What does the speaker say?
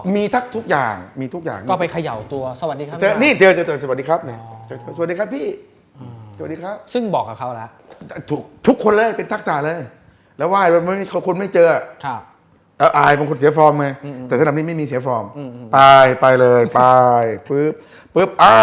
มันมีวิธีทำเขามองไม่เห็นปั๊บ